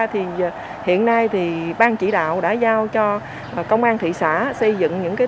thì hiện nay thì bang chỉ đạo đã giao cho công an thị xã xây dựng những cái